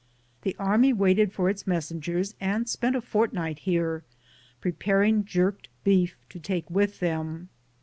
The army waited for its messengers and spent a fortnight here, preparing jerked beef to take with them.